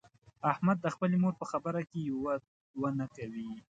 احمد د خپلې مور په خبره کې یو دوه نه کوي.